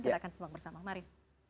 kita akan simak bersama mari